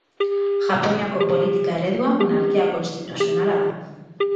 Japoniako politika eredua Monarkia konstituzionala da.